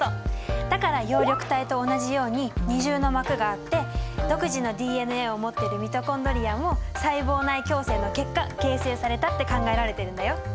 だから葉緑体と同じように二重の膜があって独自のＤＮＡを持ってるミトコンドリアも細胞内共生の結果形成されたって考えられてるんだよ。